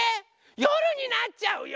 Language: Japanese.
よるになっちゃうよ！